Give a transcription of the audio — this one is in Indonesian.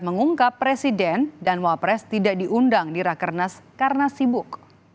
mengungkap presiden dan wapres tidak diundang di rakernas karena sibuk